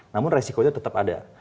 namun resiko itu tetap ada